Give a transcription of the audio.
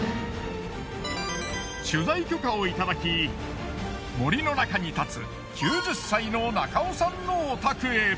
取材許可をいただき森の中に建つ９０歳の中尾さんのお宅へ。